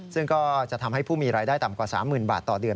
ซึ่งก็จะทำให้ผู้มีรายได้ต่ำกว่า๓๐๐๐บาทต่อเดือน